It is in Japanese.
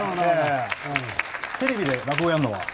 テレビで落語やんのは？